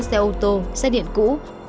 xe ô tô xe điện cũ